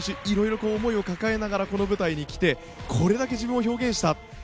いろいろ思いを抱えながらこの舞台に来てこれだけ自分を表現した。